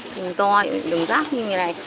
thùng to đường rác như thế này